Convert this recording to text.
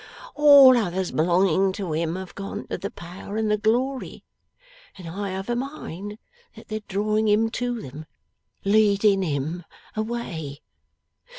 All others belonging to him have gone to the Power and the Glory, and I have a mind that they're drawing him to them leading him away.